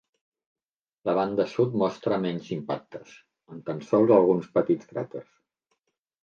La banda sud mostra menys impactes, amb tan sols alguns petits cràters.